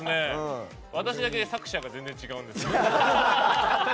私だけ作者が全然違う。